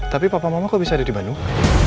tapi papa mama kok bisa ada di bandung